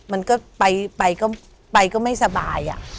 มันก็ไปก็ไม่สบาย